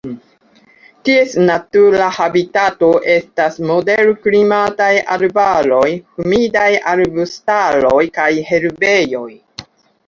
Ties natura habitato estas moderklimataj arbaroj, humidaj arbustaroj kaj herbejoj.